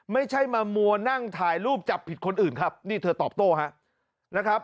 ไม่ใช่มามัวนั่งถ่ายรูปจับผิดคนอื่นครับนี่เธอตอบโต้ครับนะครับ